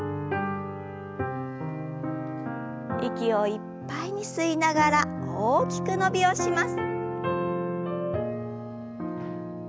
息をいっぱいに吸いながら大きく伸びをします。